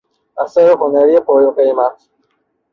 اثر هنری پرقیمت